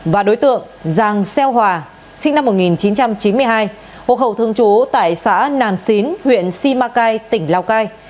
và đối tượng giang xeo hòa sinh năm một nghìn chín trăm chín mươi hai hộp hậu thường trú tại xã nàn xín huyện si ma cai tỉnh lào cai